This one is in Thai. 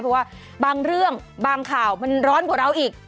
เพราะว่าบางเรื่องบางข่าวมันร้อนกว่าเราอีก